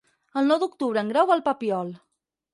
El nou d'octubre en Grau va al Papiol.